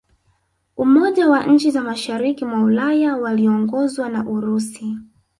Umoja wa nchi za mashariki mwa Ulaya waliongozwa na Urusi